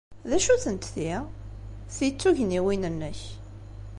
D acu-tent ti? Ti d tugniwin-nnek.